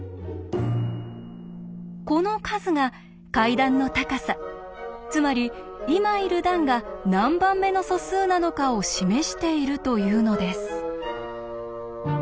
この数が階段の高さつまり今いる段が何番目の素数なのかを示しているというのです。